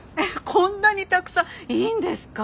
こんなにたくさんいいんですか？